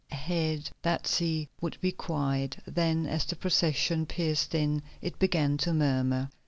Ahead that sea would be quiet, then, as the procession pierced it, it began to murmur.